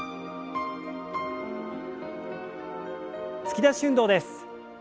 突き出し運動です。